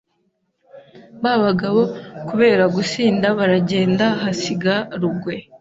babagabo kubera gusinda baragenda hasiga Rugwe